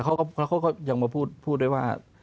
เขายังมาพูดว่า